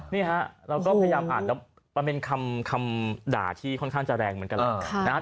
นี่ฮะเราก็พยายามอ่านแล้วมันเป็นคำด่าที่ค่อนข้างจะแรงเหมือนกันนะครับ